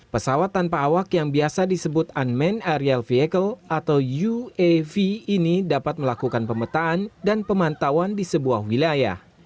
pesawat tanpa awak yang biasa disebut unmand aerial vehicle atau uav ini dapat melakukan pemetaan dan pemantauan di sebuah wilayah